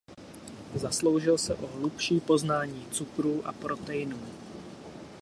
Zasloužil se o hlubší poznání cukrů a proteinů.